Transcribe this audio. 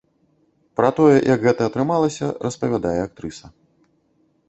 Пра тое, як гэта атрымалася, распавядае актрыса.